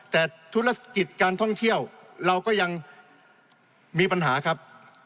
แต่ธุรกิจการท่องเที่ยวเราก็ยังมีปัญหาครับ